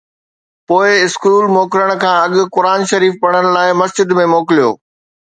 پوءِ اسڪول موڪلڻ کان اڳ قرآن شريف پڙهڻ لاءِ مسجد ۾ موڪليو